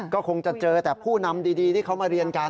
ก็คงจะเจอแต่ผู้นำดีที่เขามาเรียนกัน